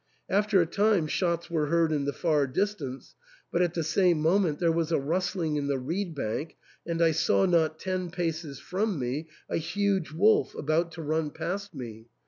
After a time shots were heard in the far distance ; but at the same moment there was a rustling in the reed bank, and I saw not ten paces from me a huge wolf about to run past me.